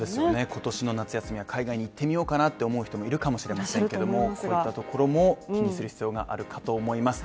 今年の夏休みは海外に行ってみようかなって思う人もいるかもしれませんけども、こういったところも気にする必要があるかと思います。